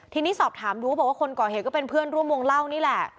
ทีนี้สอบถามดูบอกว่าคนก่อเหตุก็เป็นเพื่อนร่วมวงเล่านี่แหละ